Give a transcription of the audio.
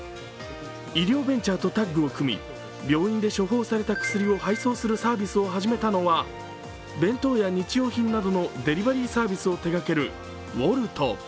医療ベンチャーとタッグを組み病院で処方された薬を配送するサービスを始めたのは、弁当や日用品などのデリバリーサービスを手がけるＷｏｌｔ。